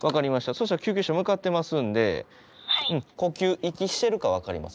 そしたら救急車向かってますんで呼吸息してるか分かります？